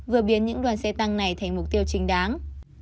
vừa biến những đoàn xe tăng này thành mục tiêu chính đáng